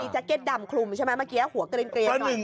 จะจะดำคลุมใช่บ้าง